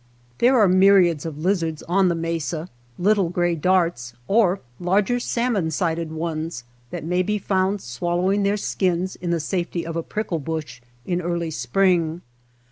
There are myriads of lizards on the mesa, little gray darts, or larger salmon sided ones that may be found swallowing their skins in the safety of a prickle bush in early spring.